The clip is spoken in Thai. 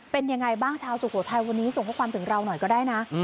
เป็นยังไงบ้างชาวสุโขทัยวันนี้ส่งข้อความถึงเราหน่อยก็ได้นะ